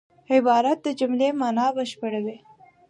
عبارت د جملې مانا بشپړوي.